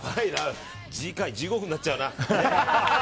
次回１５分になっちゃうな。